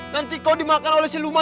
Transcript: nanti kau dimakan oleh si luma